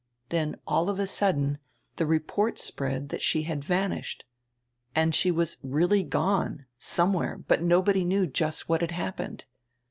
Then all of a sudden die report spread diat she had vanished. And she was really gone, somewhere, but nobody knew just what had happened.